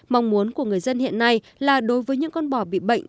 mong muốn của người dân hiện nay là đối với những con bò bị bệnh